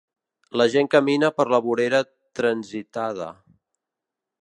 La gent camina per la vorera transitada.